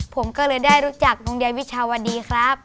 ผมก็เลยได้รู้จักลุงยายวิชาวดีครับ